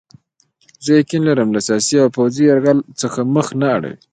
زه یقین لرم له سیاسي او پوځي یرغل څخه مخ نه اړوي.